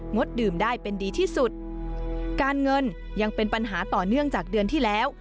ดดื่มได้เป็นดีที่สุดการเงินยังเป็นปัญหาต่อเนื่องจากเดือนที่แล้ว